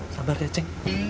sabar ya cik